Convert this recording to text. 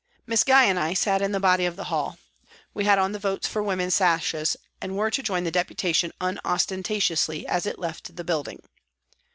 Miss Gye and I sat in the body of the hall, we had on the " Votes for Women " sashes and were to join the Deputation unostentatiously as it left the building.